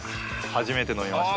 初めて飲みました。